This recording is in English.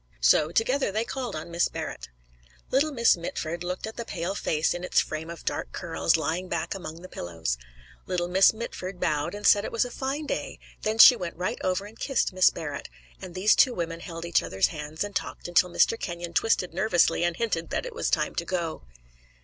So together they called on Miss Barrett. Little Miss Mitford looked at the pale face in its frame of dark curls, lying back among the pillows. Little Miss Mitford bowed and said it was a fine day; then she went right over and kissed Miss Barrett, and these two women held each other's hands and talked until Mr. Kenyon twisted nervously and hinted that it was time to go.